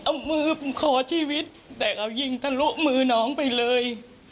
เอามือขอชีวิตแต่เอายิงทะลุมือน้องไปเลย